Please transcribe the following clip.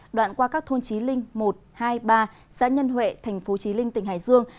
đoạn qua các thôn trí linh một hai ba xã nhân huệ thành phố trí linh tỉnh hải dương